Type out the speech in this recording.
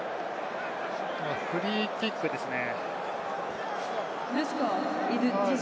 フリーキックですね。